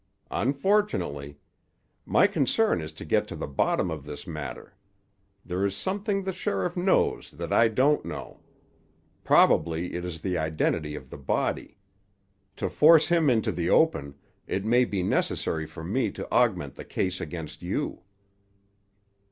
"Unfortunately. My concern is to get to the bottom of this matter. There is something the sheriff knows that I don't know. Probably it is the identity of the body. To force him into the open, it may be necessary for me to augment the case against you."